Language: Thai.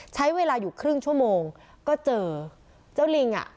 ใช้เวลาอยู่ครึ่งชั่วโมงก็เจอเจ้าลิงอ่ะ